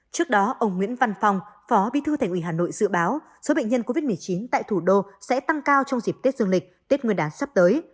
trước đó ông nguyễn văn phong phó bí thư thành ủy hà nội dự báo số bệnh nhân covid một mươi chín tại thủ đô sẽ tăng cao trong dịp tết dương lịch tết nguyên đán sắp tới